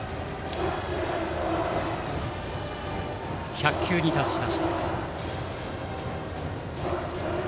１００球に達しました。